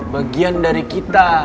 bagian dari kita